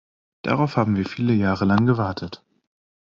Darauf haben wir viele Jahre lang gewartet.